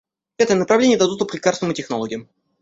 Пятое направление — это доступ к лекарствам и технологиям.